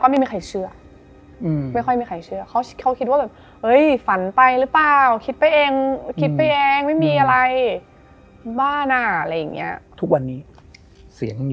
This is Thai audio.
ไม่มีใครให้คำตอบได้แล้วก็ไม่มีใครเชื่อ